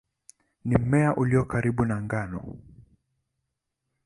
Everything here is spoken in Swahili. Ni mmea ulio karibu na ngano.